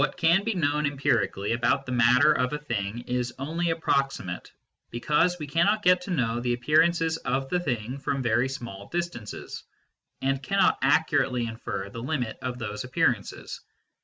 What can be known empirically about the matter of a thing is only approximate, because we cannot get to know the appearances of the thing from very small distances, and cannot accurately infer the limit of these appearances.